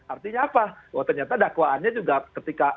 artinya apa wah ternyata dakwaannya juga ketika